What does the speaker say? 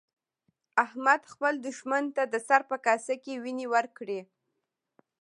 احمد خپل دوښمن ته د سر په کاسه کې وينې ورکړې.